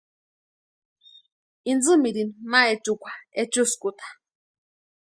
Intsïmirini ma echukwa echuskuta.